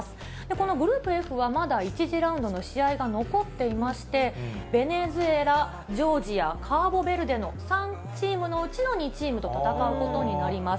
このグループＦは、まだ１次ラウンドの試合が残っていまして、ベネズエラ、ジョージア、カーボベルデの３チームのうちの２チームと戦うことになります。